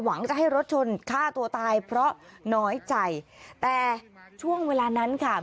หวังจะให้รถชนฆ่าตัวตายเพราะน้อยใจแต่ช่วงเวลานั้นค่ะ